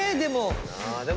でも。